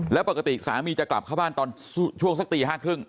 แล้วปกติสามีจะกลับเข้าบ้านตอนช่วงสักตี๕๓๐